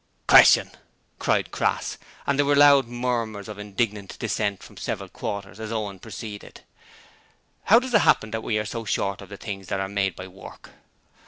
'Question!' cried Crass, and there were loud murmurs of indignant dissent from several quarters as Owen proceeded: 'How does it happen that we are so short of the things that are made by work?'